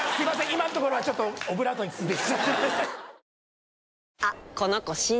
今のところはちょっとオブラートに包んで。